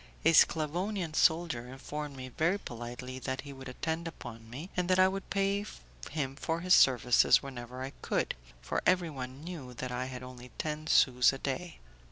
A Sclavonian soldier informed me very politely that he would attend upon me, and that I would pay him for his services whenever I could, for everyone knew that I had only ten sous a day.